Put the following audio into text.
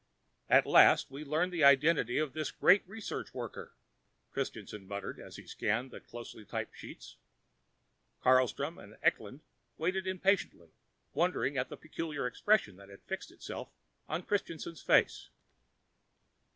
"At last we learn the identity of this great research worker," Christianson murmured as he scanned the closely typed sheets. Carlstrom and Eklund waited impatiently, wondering at the peculiar expression that fixed itself on Christianson's face.